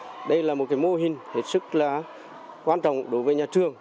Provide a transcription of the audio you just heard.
để nói là đây là một mô hình hết sức quan trọng đối với nhà trường